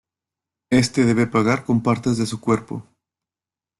Este debe pagar con partes de su cuerpo.